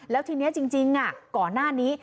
แล้วทีนี้จริงก่อนหน้านี้